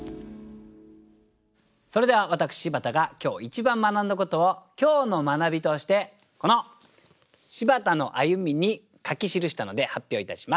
それでは私柴田が今日一番学んだことを今日の学びとしてこの「柴田の歩み」に書き記したので発表いたします。